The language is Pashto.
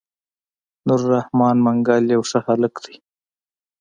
نور رحمن منګل يو ښه هلک دی.